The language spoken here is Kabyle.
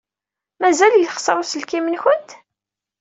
Mazal yexṣer uselkim-nwent?